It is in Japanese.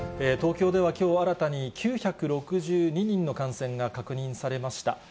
東京ではきょう新たに９６２人の感染が確認されました。